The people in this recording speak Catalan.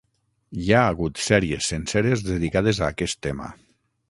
Hi ha hagut sèries senceres dedicades a aquest tema.